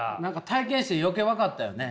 体験して余計分かったよね？